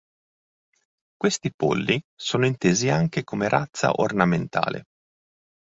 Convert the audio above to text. Questi polli sono intesi anche come razza ornamentale.